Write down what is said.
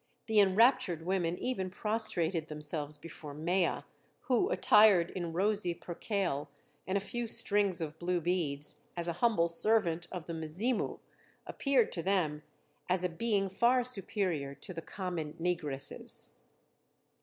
The enraptured women even prostrated themselves before Mea, who, attired in rosy percale and a few strings of blue beads, as a humble servant of the Mzimu, appeared to them as a being far superior to the common negresses.